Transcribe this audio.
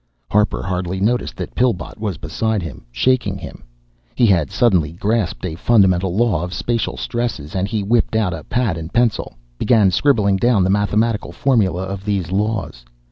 Harper hardly noticed that Pillbot was beside him, shaking him. He had suddenly grasped a fundamental law of spacial stresses, and he whipped out a pad and pencil, began scribbling down the mathematical formula of these laws.